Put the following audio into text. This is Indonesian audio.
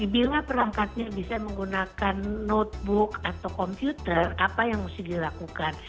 bila perangkatnya bisa menggunakan notebook atau komputer apa yang mesti dilakukan